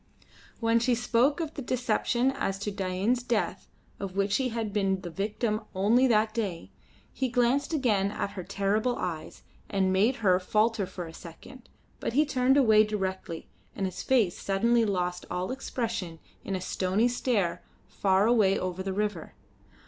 When she spoke of the deception as to Dain's death of which he had been the victim only that day, he glanced again at her with terrible eyes, and made her falter for a second, but he turned away directly, and his face suddenly lost all expression in a stony stare far away over the river.